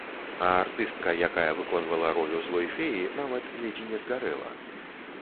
А артыстка, якая выконвала ролю злой феі, нават ледзь не згарэла.